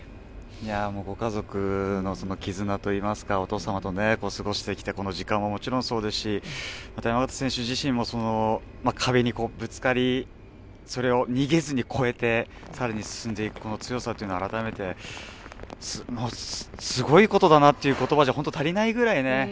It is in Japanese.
ご家族の絆といいますかお父様と過ごしてきた時間はもちろんそうですしまた、山縣選手自身も壁にぶつかりそれを逃げずに超えて更に進んでいく強さというのは改めてすごいことだなという言葉じゃ本当、足りないぐらいね。